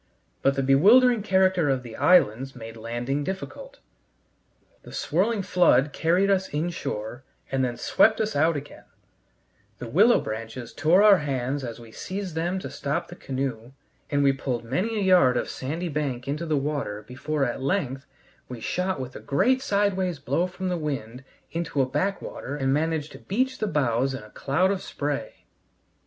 But the bewildering character of the islands made landing difficult; the swirling flood carried us in shore and then swept us out again; the willow branches tore our hands as we seized them to stop the canoe, and we pulled many a yard of sandy bank into the water before at length we shot with a great sideways blow from the wind into a backwater and managed to beach the bows in a cloud of spray.